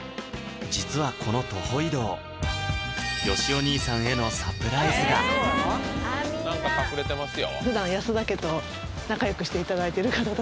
実はこの徒歩移動よしお兄さんへのサプライズだ何か隠れてますよ